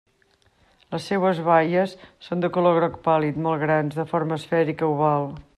Les seues baies són de color groc pàl·lid, molt grans, de forma esfèrica oval.